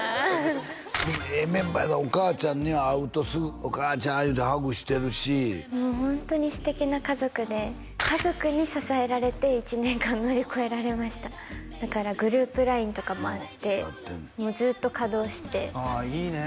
でもええメンバーやなお母ちゃんに会うとすぐ「お母ちゃん」言うてハグしてるしもうホントに素敵な家族で家族に支えられて１年間乗り越えられましただからグループラインとかもあってずっと稼働してああいいね